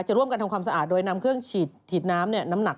ร่วมกันทำความสะอาดโดยนำเครื่องฉีดน้ำน้ำหนัก